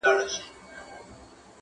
• موږ که تور یو که بدرنګه یوکارګان یو -